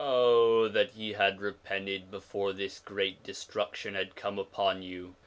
6:22 O that ye had repented before this great destruction had come upon you.